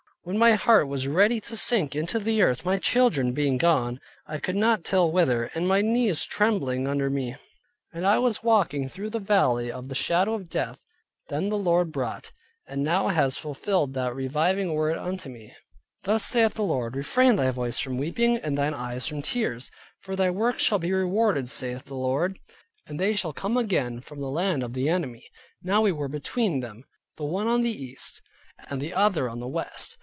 When my heart was ready to sink into the earth (my children being gone, I could not tell whither) and my knees trembling under me, and I was walking through the valley of the shadow of death; then the Lord brought, and now has fulfilled that reviving word unto me: "Thus saith the Lord, Refrain thy voice from weeping, and thine eyes from tears, for thy Work shall be rewarded, saith the Lord, and they shall come again from the Land of the Enemy." Now we were between them, the one on the east, and the other on the west.